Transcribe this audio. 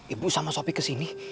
ibu sama sopi kesini